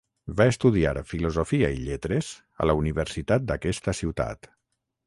Va estudiar Filosofia i Lletres a la universitat d'aquesta ciutat.